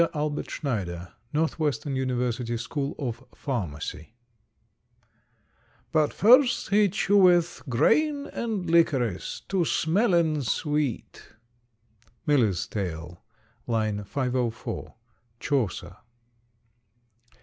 ALBERT SCHNEIDER, Northwestern University School of Pharmacy. But first he cheweth greyn and licorys To smellen sweete. _Miller's Tale, l. 504; Chaucer.